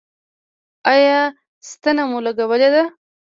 ایا ستنه مو لګولې ده؟